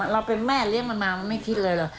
เราเป็นแม่เลี้ยงมันมามันไม่คิดอะไรหรอก